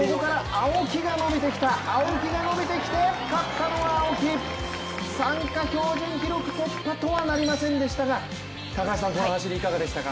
青木が伸びてきて勝ったのは青木、参加標準記録突破とはなりませんでしたが、この走り、いかがでしたか。